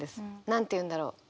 何て言うんだろう？